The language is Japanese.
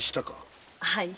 はい。